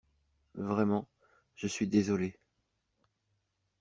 Vraiment, je suis désolé.